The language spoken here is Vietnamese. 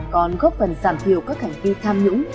còn góp phần giảm thiểu các hành vi tham nhũng